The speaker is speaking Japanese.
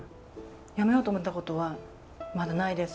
やめようと思ったことはまだないです。